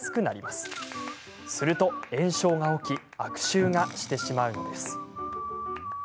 すると炎症が起き悪臭がしてしまうのです。